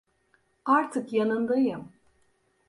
Artık yanındayım.